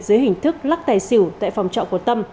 dưới hình thức lắc tài xỉu tại phòng trọ của tâm